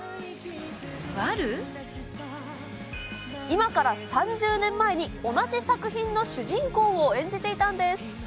今から３０年前に同じ作品の主人公を演じていたんです。